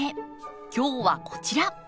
今日はこちら。